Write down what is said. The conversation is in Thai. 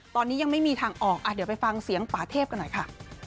ตอนนี้ยังไม่มีทางออกเดี๋ยวไปฟังเสียงป่าเทพกันหน่อยค่ะ